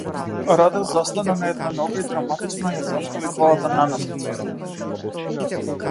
Раде застана на една нога и драматично ја зафрли главата наназад.